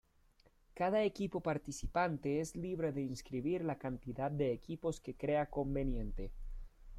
Cada equipo participante es libre de inscribir la cantidad de equipos que crea conveniente.